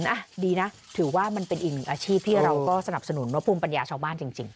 อ่ะดีนะถือว่ามันเป็นอีกหนึ่งอาชีพที่เราก็สนับสนุนว่าภูมิปัญญาชาวบ้านจริง